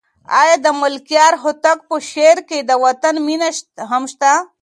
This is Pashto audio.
آیا د ملکیار هوتک په شعر کې د وطن مینه هم شته؟